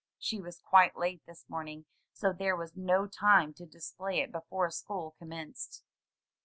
She was quite late this morning, so there was no time to display it before school com menced.